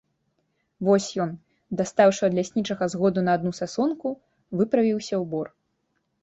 Вось ён, дастаўшы ад ляснічага згоду на адну сасонку, выправіўся ў бор.